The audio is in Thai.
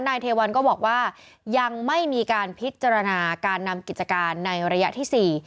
นายเทวันก็บอกว่ายังไม่มีการพิจารณาการนำกิจการในระยะที่๔